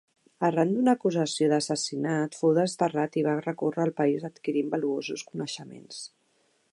Arran d'una acusació d'assassinat fou desterrat i va recórrer el país adquirint valuosos coneixements.